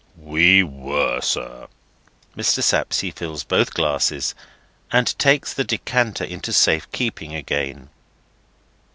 "We were, sir." Mr. Sapsea fills both glasses, and takes the decanter into safe keeping again.